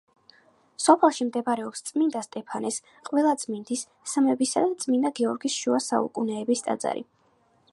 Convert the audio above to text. სოფელში მდებარეობს წმინდა სტეფანეს, ყველაწმინდის, სამებისა და წმინდა გიორგის შუა საუკუნეების ტაძრები.